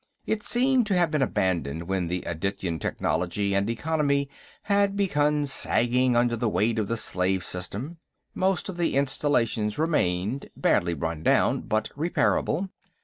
It seemed to have been abandoned when the Adityan technology and economy had begun sagging under the weight of the slave system. Most of the installations remained, badly run down but repairable.